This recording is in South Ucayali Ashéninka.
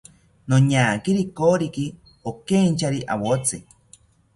Noñakiri koriki okeinchari awotzi